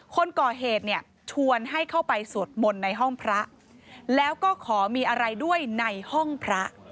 คนก่อเหตุเนี่ยชวนให้เข้าไปสวดมนต์ในห้องพระแล้วก็ขอมีอะไรด้วยในห้องพระ